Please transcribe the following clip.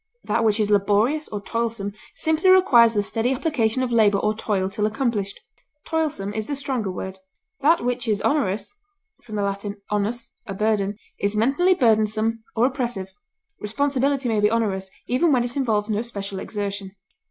That which is laborious or toilsome simply requires the steady application of labor or toil till accomplished; toilsome is the stronger word. That which is onerous (L. onus, a burden) is mentally burdensome or oppressive. Responsibility may be onerous even when it involves no special exertion.